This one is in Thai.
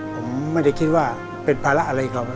ผมไม่ได้คิดว่าเป็นภาระอะไรเขา